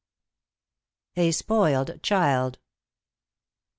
* *A SPOILED CHILD.